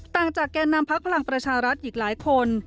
ต่างจากแก่นำพักพลังประชารัฐอีกหลายคน